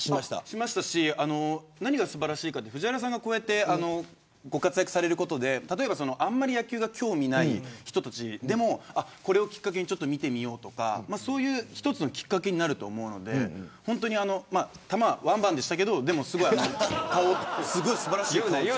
しましたし何が素晴らしいかって藤原さんがご活躍されることであんまり野球が興味ない人たちでもこれをきっかけに見てみようとかそういう、一つのきっかけになると思うので球はワンバンでしたけど素晴らしいと思います。